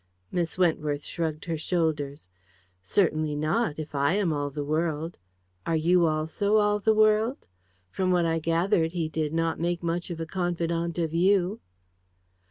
Miss Wentworth shrugged her shoulders. "Certainly not if I am all the world. Are you also all the world? From what I gathered he did not make much of a confidante of you."